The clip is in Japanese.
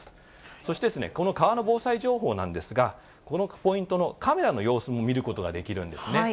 そして、この川の防災情報なんですが、このポイントのカメラの様子も見ることができるんですね。